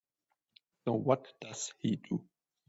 So what does he do?